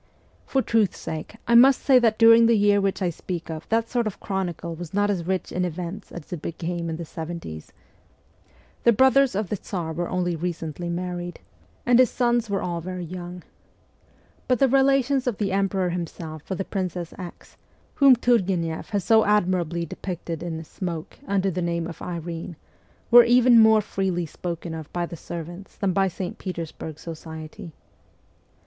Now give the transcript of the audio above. For truth's sake, I must say that during the year which I speak of that sort of chronicle was not as rich in events as it became in the seventies. The brothers of the Tsar were only recently 168 MEMOIRS OF A REVOLUTIONIST married, and his sons were all very young. But the relations of the emperor himself with the Princess X., whom Turgueneff has so admirably depicted in ' Smoke ' under the name of Irene, were even more freely spoken of by the servants than by St. Petersburg society.